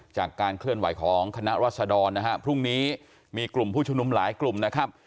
จากการเคลื่อนไหวของคณะรัศดรนะฮะพรุ่งนี้มีกลุ่มผู้ชุมนุมหลายกลุ่มนะครับ